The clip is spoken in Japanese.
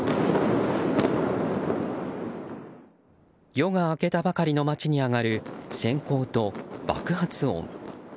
夜が明けたばかりの街に上がる閃光と爆発音。